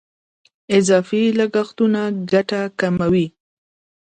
اضافي لګښتونه ګټه کموي.